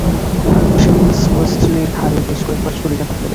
সে মিলস-ওয়েস্টলির ঘাড়ে বেশ কয়েকবার ছুরিকাঘাত করে।